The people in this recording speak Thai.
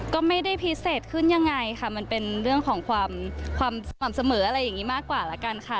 ก็ไม่ได้พิเศษขึ้นยังไงค่ะมันเป็นเรื่องของความสม่ำเสมออะไรอย่างนี้มากกว่าแล้วกันค่ะ